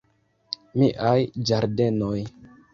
Miaj ĝardenoj!